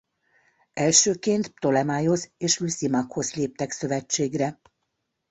Elsőként Ptolemaiosz és Lüszimakhosz léptek szövetségre.